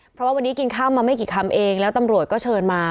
เพราะว่าวันนี้กินข้าวมาไม่กี่คำเองแล้วตำรวจก็เชิญมา